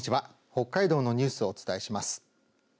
北海道のニュースをお伝えします。